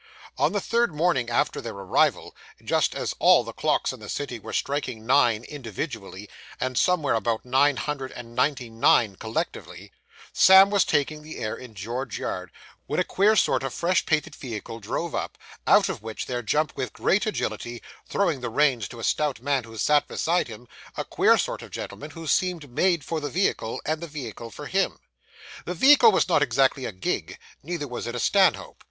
On the third morning after their arrival, just as all the clocks in the city were striking nine individually, and somewhere about nine hundred and ninety nine collectively, Sam was taking the air in George Yard, when a queer sort of fresh painted vehicle drove up, out of which there jumped with great agility, throwing the reins to a stout man who sat beside him, a queer sort of gentleman, who seemed made for the vehicle, and the vehicle for him. The vehicle was not exactly a gig, neither was it a stanhope.